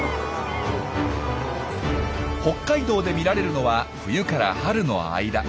北海道で見られるのは冬から春の間。